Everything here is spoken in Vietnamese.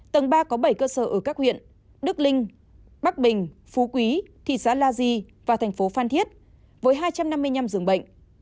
tầng ba có bảy cơ sở ở các huyện đức linh bắc bình phú quý thị xã la di và thành phố phan thiết với hai trăm năm mươi năm dường bệnh